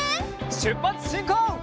しゅっぱつしんこう！